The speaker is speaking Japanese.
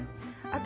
私